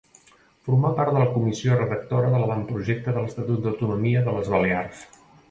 Formà part de la Comissió Redactora de l’Avantprojecte de l’Estatut d’Autonomia de les Balears.